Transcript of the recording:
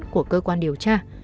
của cơ quan điều tra